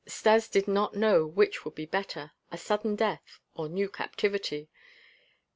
Stas did not know which would be better a sudden death or new captivity?